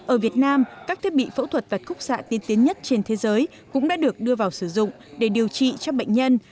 ở việt nam các thiết bị phẫu thuật và khúc xạ tiên tiến nhất trên thế giới cũng đã được đưa vào sử dụng để điều trị cho bệnh nhân